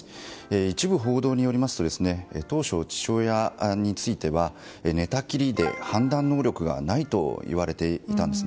一部報道によりますと当初、父親については寝たきりで判断能力がないといわれていたんです。